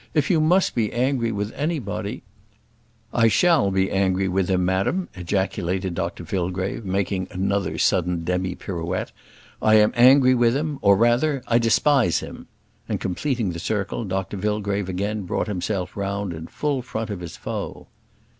If you must be angry with anybody " "I shall be angry with him, madam," ejaculated Dr Fillgrave, making another sudden demi pirouette. "I am angry with him or, rather, I despise him;" and completing the circle, Dr Fillgrave again brought himself round in full front of his foe.